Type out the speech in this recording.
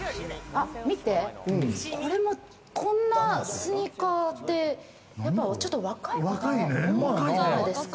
見て、これも、こんなスニーカーって、やっぱりちょっと若い方ですか？